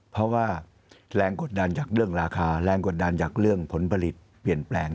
เพราะว่าแรงกดดันจากเรื่องราคาแรงกดดันจากเรื่องผลผลิตเปลี่ยนแปลง